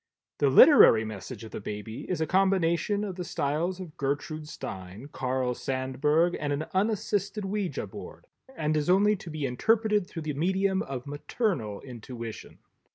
The Literary Message of the baby is a combination of the styles of Gertrude Stein, Carl Sandberg and an unassisted Ouija board and is only to be interpreted through the medium of maternal intuition.